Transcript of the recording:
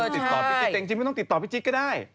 ติดต่อพี่จิ๊กแต่จริงไม่ต้องติดต่อพี่จิ๊กก็ได้